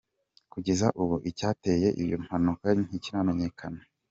Kugeza ubu icyateje iyo mpanuka ntikiramenyekana.